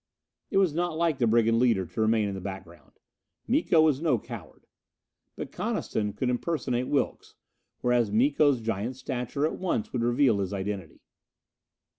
It was not like the brigand leader to remain in the background. Miko was no coward. But Coniston could impersonate Wilks, whereas Miko's giant stature at once would reveal his identity.